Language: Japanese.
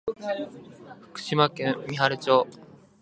福島県三春町